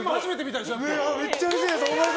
めっちゃうれしいです！